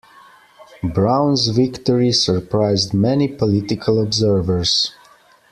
Broun's victory surprised many political observers.